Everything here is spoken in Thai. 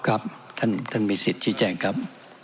ครับท่านมีสิทธิ์ชี้แจงครับ